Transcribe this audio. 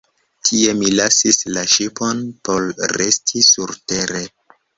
Tie mi lasis la ŝipon, por resti surtere.